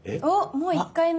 もう１回目？